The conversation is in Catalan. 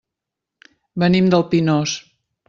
Venim del Pinós.